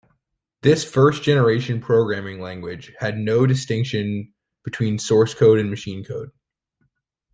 This first-generation programming language had no distinction between source code and machine code.